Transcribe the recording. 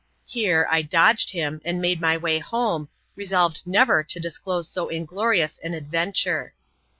Here, I dodged him, and made my way home, resolved never to disclose so in glorious an adventure.